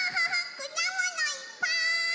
くだものいっぱい！